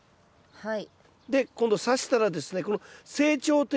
はい。